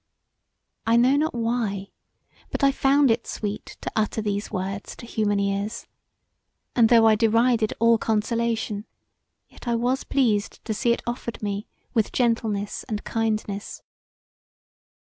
I know not why but I found it sweet to utter these words to human ears; and though I derided all consolation yet I was pleased to see it offered me with gentleness and kindness.